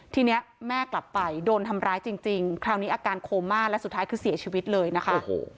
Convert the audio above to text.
ทีนี้แม่กลับไปโดนทำร้ายจริงคราวนี้อาการโคม่าและสุดท้ายคือเสียชีวิตเลยนะคะ